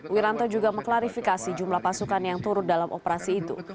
wiranto juga mengklarifikasi jumlah pasukan yang turut dalam operasi itu